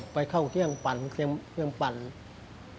กล่าวค้านถึงกุ้ยเตี๋ยวลุกชิ้นหมูฝีมือลุงส่งมาจนถึงทุกวันนี้นั่นเองค่ะ